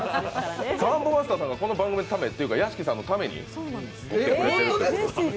サンボマスターさんがこの番組のためというか屋敷さんのために。